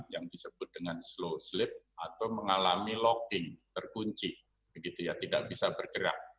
yang disebut dengan slow slip atau mengalami locking terkunci begitu ya tidak bisa bergerak